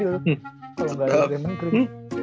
kalau nggak ada dremon green